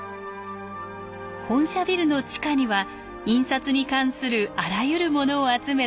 本社ビルの地下には印刷に関するあらゆるものを集めた博物館が。